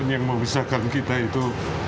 dan yang membesarkan kita itu